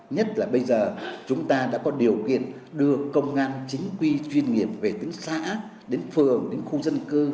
nhất là bây giờ chúng ta đã có điều kiện đưa công an chính quy chuyên nghiệp về từ xã đến phường đến khu dân cư